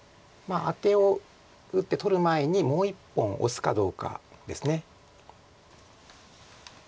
アテを打って取る前にもう１本オスかどうかです。